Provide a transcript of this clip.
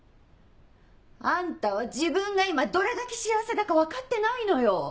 あんたは自分が今どれだけ幸せだか分かってないのよ。